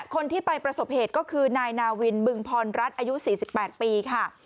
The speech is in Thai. คนที่ไปประสบเหตุก็คือนายนาวินบึงพรรัฐอายุ๔๘ปีค่ะ